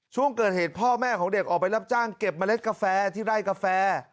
ช่วงเกิดเหตุพ่อแม่ของเด็กออกไปรับจ้างเก็บเมล็ดกาแฟที่ไร่กาแฟ